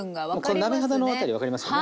鍋肌の辺り分かりますかね？